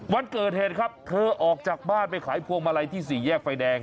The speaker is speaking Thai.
วันเกิดเหตุครับเธอออกจากบ้านไปขายพวงมาลัยที่สี่แยกไฟแดง